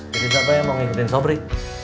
jadi bapak yang mau ngikutin sobri